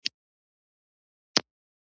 دا کار پر یوې خونړۍ نښتې واوښت.